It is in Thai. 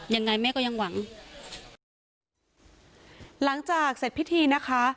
ยังไงแม่ก็ยังหวังหลังจากเสร็จพิธีนะคะ